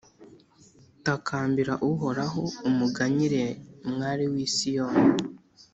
Takambira Uhoraho, umuganyire, mwari w’i Siyoni;